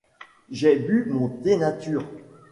J'ai bu mon thé nature.